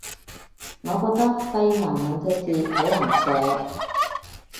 我覺得肺癌兩隻字好難寫